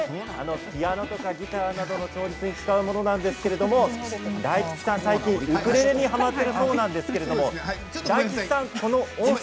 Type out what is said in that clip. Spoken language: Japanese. ピアノとかギターなどの調律に使うものなんですけども大吉さん、最近、ウクレレにはまっているそうなんですけど大吉さん、この音さ。